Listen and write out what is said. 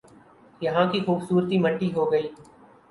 یہاں کی خوبصورتی مٹی ہو گئی